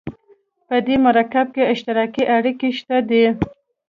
په دې مرکب کې اشتراکي اړیکه شته ده.